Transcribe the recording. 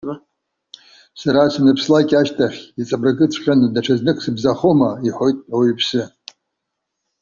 Сара саныԥслак ашьҭахь, иҵабыргыҵәҟьаны даҽазнык сыбзахома?- иҳәоит ауаҩԥсы.